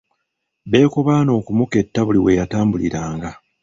Beekobaana okumuketta buli we yatambuliranga.